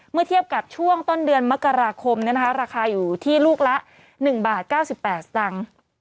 เมื่อเทียบกับช่วงต้นเดือนมกราคมราคาอยู่ที่ลูกละ๑บาท๙๘สตางค์